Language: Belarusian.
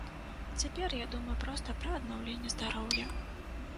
Цяпер я думаю проста пра аднаўленне здароўя.